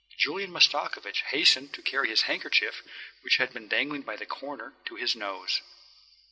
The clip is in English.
Julian Mastakovich hastened to carry his handkerchief, which he had been dangling by the corner, to his nose.